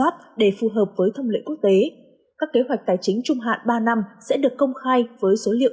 phù hợp với thông lệ quốc tế các kế hoạch tài chính trung hạn ba năm sẽ được công khai với số liệu